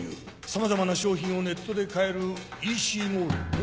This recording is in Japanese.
さまざまな商品をネットで買えるＥＣモールＯｈ！